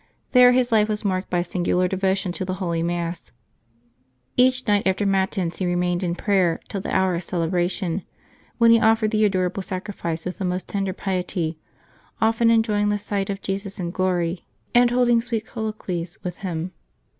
There his life was marked by a singular devotion to the Holy Mass. Each night after Matins he remained in prayer till the hour of celebration, when he offered the Adorable Sacrifice with the most tender piety, often enjoying the sight of Jesus in glory, and holding sweet colloquies with Him.